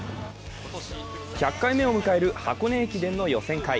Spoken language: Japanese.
１００回目を迎える箱根駅伝の予選会。